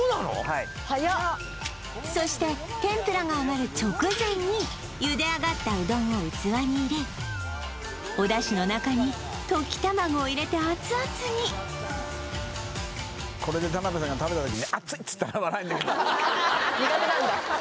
はいそして天ぷらが揚がる直前に茹で上がったうどんを器に入れお出汁の中に溶き卵を入れてアツアツにこれで田辺さんが食べた時に・苦手なんだ